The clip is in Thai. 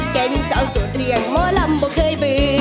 เก่งเซาสูตรเรียงหมอล้ำบ่เคยเบื่อ